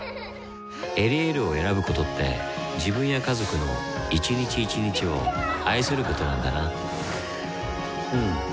「エリエール」を選ぶことって自分や家族の一日一日を愛することなんだなうん。